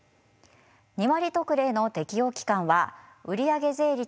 ２割特例の適用期間は売り上げ税率の２割